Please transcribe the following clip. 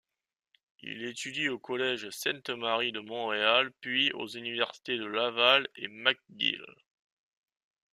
Il étudie au Collège Sainte-Marie de Montréal puis aux universités de Laval et McGill.